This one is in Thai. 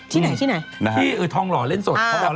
ที่ไหนที่ไหนที่ทองหล่อเล่นสด